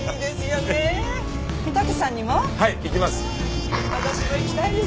はい行きます。